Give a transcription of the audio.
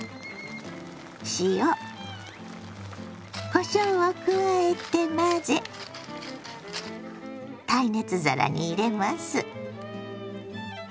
塩こしょうを加えて混ぜ耐熱皿に入れます。